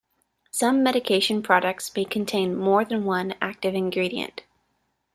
Some medication products may contain more than one active ingredient.